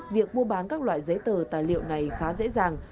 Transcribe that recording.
việc mua bán các loại giấy tờ tài liệu này khá dễ dàng